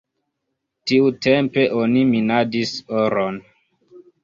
Tiutempe oni minadis oron.